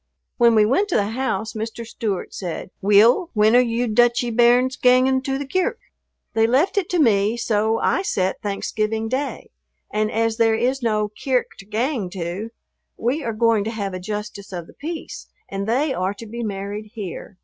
When we went to the house Mr. Stewart said, "Weel, when are you douchy bairns gangin' to the kirk?" They left it to me, so I set Thanksgiving Day, and as there is no "kirk to gang to," we are going to have a justice of the peace and they are to be married here.